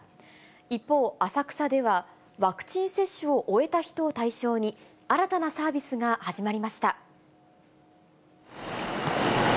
一方、浅草ではワクチン接種を終えた人を対象に、新たなサービスが始まりました。